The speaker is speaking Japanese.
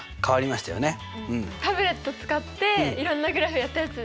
タブレット使っていろんなグラフをやったやつ。